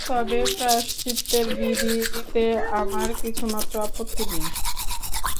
তবে প্রায়শ্চিত্তের বিধি দিতে আমার কিছুমাত্র আপত্তি নাই।